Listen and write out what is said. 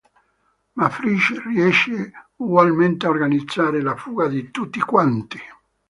Ma Frigg riesce ugualmente a organizzare la fuga di tutti quanti.